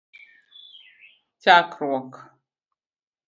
chakruok